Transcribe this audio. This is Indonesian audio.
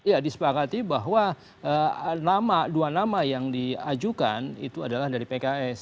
ya disepakati bahwa nama dua nama yang diajukan itu adalah dari pks